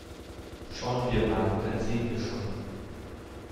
Schauen wir mal, dann sehen wir schon!